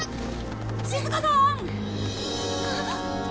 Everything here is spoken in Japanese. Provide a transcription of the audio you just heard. しずかさん！